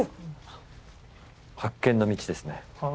「発見の道」ですね。